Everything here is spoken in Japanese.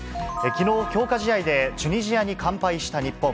きのう、強化試合でチュニジアに完敗した日本。